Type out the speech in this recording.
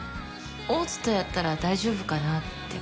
大津とやったら大丈夫かなって。